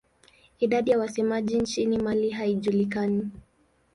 Idadi ya wasemaji nchini Mali haijulikani.